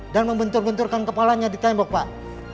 dan membentur benturkan kepalanya di tembok pak